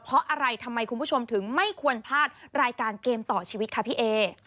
เพราะอะไรทำไมคุณผู้ชมถึงไม่ควรพลาดรายการเกมต่อชีวิตค่ะพี่เอ